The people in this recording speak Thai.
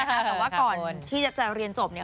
แต่ว่าก่อนที่จะเรียนจบเนี่ย